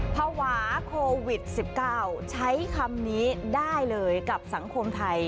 ภาวะโควิด๑๙ใช้คำนี้ได้เลยกับสังคมไทย